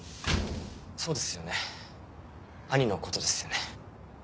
そうですよね兄のことですよね。